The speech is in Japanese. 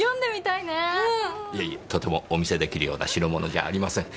いえとてもお見せ出来るような代物じゃありません。